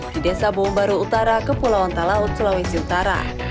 di desa bombaru utara kepulauan talaut sulawesi utara